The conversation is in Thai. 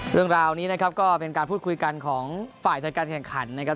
เรื่องราวนี้นะครับก็เป็นการพูดคุยกันของฝ่ายจัดการแข่งขันนะครับ